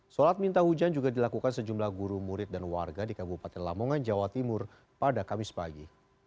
sholat minta hujan juga dilakukan sejumlah guru murid dan warga di kabupaten lamongan jawa timur pada kamis pagi